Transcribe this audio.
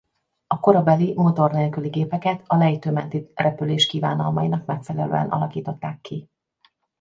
A korabeli motor nélküli gépeket a lejtő menti repülés kívánalmainak megfelelően alakították ki.